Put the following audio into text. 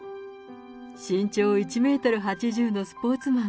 身長１メートル８０のスポーツマン。